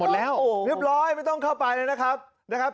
เรียบร้อยไม่ต้องเข้าไปเลยนะครับนะครับ